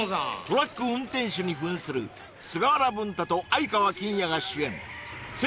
トラック運転手にふんする菅原文太と愛川欽也が主演